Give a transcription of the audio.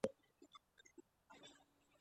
د افغانستان طبیعت له ځنګلونه څخه جوړ شوی دی.